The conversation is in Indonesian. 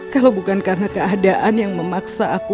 kalau bukan karena keadaan yang memaksa aku